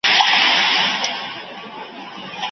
لا مي پور د وینو پاته زه د سلو قبرکن یم